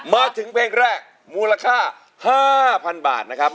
มาถึงเพลงแรกมูลค่า๕๐๐๐บาทนะครับ